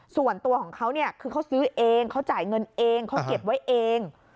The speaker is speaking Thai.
ส่วนตัวของเขาเนี่ยคือเขาซื้อเองเขาจ่ายเงินเองเขาเก็บไว้เอง